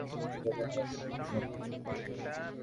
কিন্তু তোমাদের হারানোর অনুভূতি আরও বেদনাদায়ক।